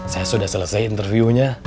saya sudah selesai interviewnya